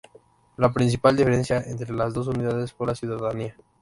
La principal diferencia entre las dos unidades fue la ciudadanía.